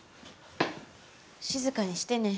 静かにしてね。